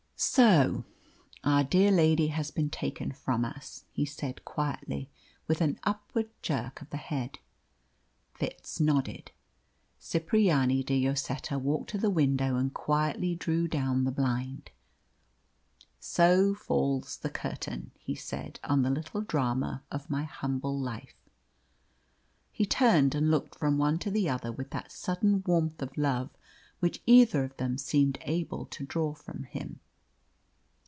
"So our dear lady has been taken from us," he said quietly, with an upward jerk of the head. Fitz nodded. Cipriani de Lloseta walked to the window and quietly drew down the blind. "So falls the curtain," he said, "on the little drama of my humble life." He turned and looked from one to the other with that sudden warmth of love which either of them seemed able to draw from him.